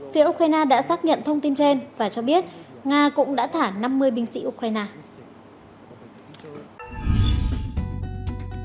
phía ukraine đã xác nhận thông tin trên và cho biết nga cũng đã thả năm mươi binh sĩ ukraine